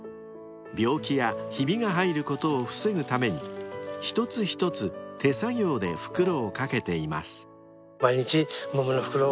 ［病気やひびが入ることを防ぐために一つ一つ手作業で袋を掛けています］